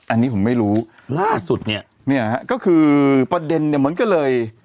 อันนี้ผมไม่รู้ล่าสุดเนี่ยเนี่ยฮะก็คือประเด็นเนี่ยมันก็เลย